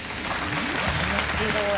面白い。